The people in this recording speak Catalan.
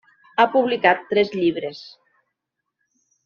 Ha publicat tres llibres.